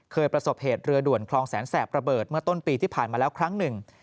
ประสบเหตุเรือด่วนคลองแสนแสบระเบิดเมื่อต้นปีที่ผ่านมาแล้วครั้งหนึ่ง